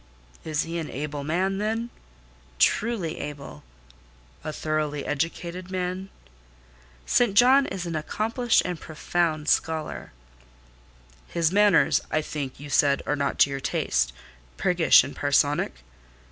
"Is he an able man, then?" "Truly able." "A thoroughly educated man?" "St. John is an accomplished and profound scholar." "His manners, I think, you said are not to your taste?—priggish and parsonic?"